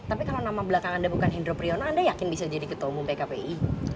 tapi kalau nama belakang anda bukan hendro priyono anda yakin bisa jadi ketua umum pkpi